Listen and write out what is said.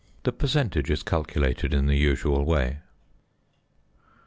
The percentage is calculated in the usual way.